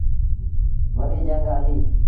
وڏيٚ جھنگ هليٚ۔